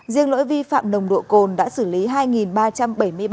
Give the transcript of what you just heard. riêng lỗi vi phạm nồng độ cồn đã xử lý hai ba trăm linh